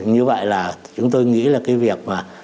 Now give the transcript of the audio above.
như vậy là chúng tôi nghĩ là cái việc mà